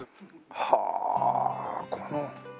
はあこの。